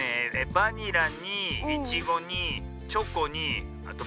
バニラにイチゴにチョコにバナナに。